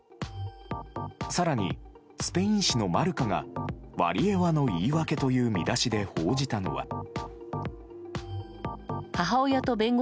更にスペイン紙のマルカが「ワリエワの言い訳」という見出しで報じたのは。